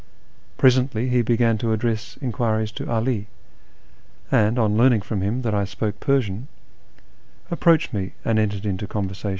Presently he began to address enquiries to 'Ali, and, on learning from him that I spoke Persian, approached me and entered into conversation.